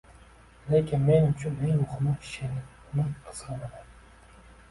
Lekin men uchun eng muhimi – she’r, uni qizg‘anaman.